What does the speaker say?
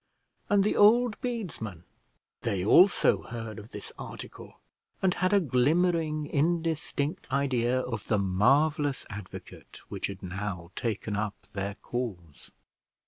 And the old bedesmen, they also heard of this article, and had a glimmering, indistinct idea of the marvellous advocate which had now taken up their cause.